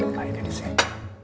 nah ini di sini